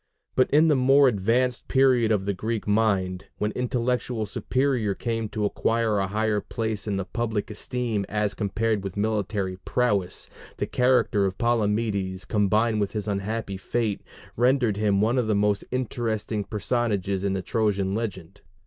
But in the more advanced period of the Greek mind, when intellectual superiority came to acquire a higher place in the public esteem as compared with military prowess, the character of Palamedes, combined with his unhappy fate, rendered him one of the most interesting personages in the Trojan legend.